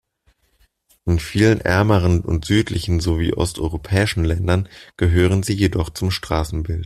In vielen ärmeren und südlichen sowie osteuropäischen Ländern gehören sie jedoch zum Straßenbild.